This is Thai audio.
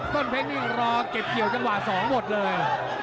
ต้นเพชรนี่รอเก็บเกี่ยวจังหวะ๒หมดเลย